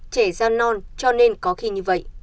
trẻ gian non cho nên có khi như vậy